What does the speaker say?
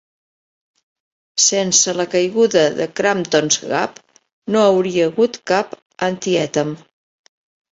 Sense la caiguda de Crampton's Gap no hauria hagut cap Antietam.